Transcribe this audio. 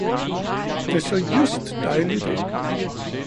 Det så just dejligt ud.